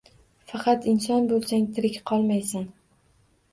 Faqat inson bo`lsang tirik qolmaysan